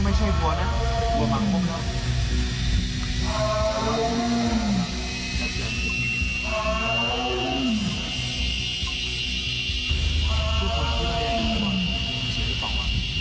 ก็ไม่ใช่วัวนะวัวมากเหมือนกัน